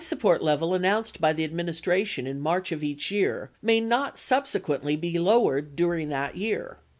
As noted above, the price support level announced by the administration in March of each year may not subsequently be lowered during that year.